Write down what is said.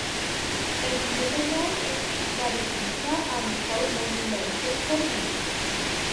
En Ilmenau estis starigita ankaŭ monumento por li.